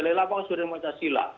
baca lela apakah sesuai dengan pancasila